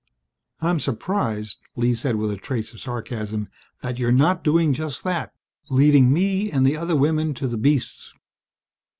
"I'm surprised," Lee said with a trace of sarcasm, "that you're not doing just that, leaving me and the other women to the beasts!"